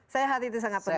sehat itu sangat penting